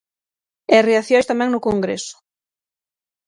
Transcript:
E reaccións tamén no Congreso.